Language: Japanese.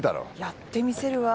やってみせるわ。